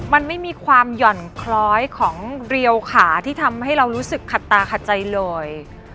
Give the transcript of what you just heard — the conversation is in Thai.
มันไม่มีความหย่อนคล้อยของเรียวขาที่ทำให้เรารู้สึกขัดตาขัดใจเลย